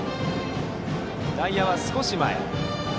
内野は少し前。